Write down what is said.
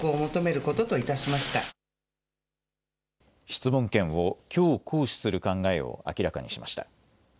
質問権をきょう行使する考えを明らかにしました。